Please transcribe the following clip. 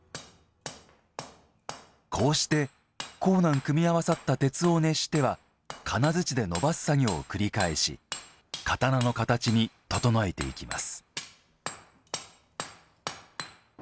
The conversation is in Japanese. こうして硬軟組み合わさった鉄を熱しては金づちで延ばす作業を繰り返し刀の形に整えていきます。